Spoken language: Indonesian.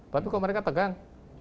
tapi kok mereka tegang